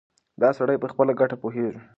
دا سړی په خپله ګټه پوهېږي.